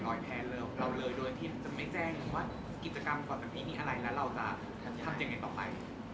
โดยที่จะไม่แจ้งว่ากิจกรรมตอนนี้มีอะไรแล้วเราจะทำยังไงต่อไป